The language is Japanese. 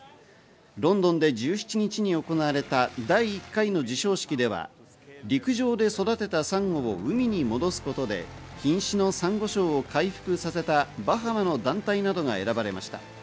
ロンドンで１７日に行われた第１回の授賞式では、陸上で育てたサンゴを海に戻すことで瀕死のサンゴ礁を回復させたバハマの団体などが選ばれました。